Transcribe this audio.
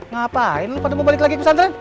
ngapain lu padahal mau balik lagi ke pusat tren